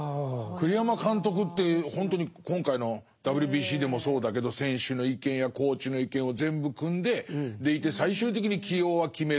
栗山監督ってほんとに今回のＷＢＣでもそうだけど選手の意見やコーチの意見を全部くんででいて最終的に起用は決めると。